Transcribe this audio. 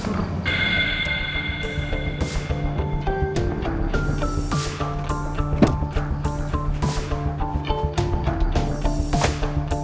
udah usah ngelanjut